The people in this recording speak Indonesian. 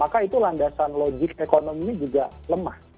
maka itu landasan logik ekonomi juga lemah